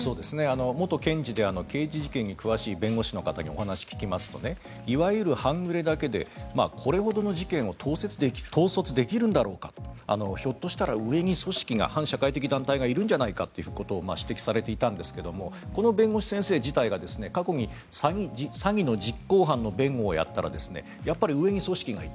元刑事で刑事事件に詳しい弁護士の方にお話を聞きますといわゆる半グレだけでこれほどの事件を統率できるんだろうかひょっとしたら上に組織が反社会的団体がいるんじゃないかと指摘されていたんですがこの弁護士先生自体が過去に詐欺の実行犯の弁護をやったらやっぱり上に組織がいた。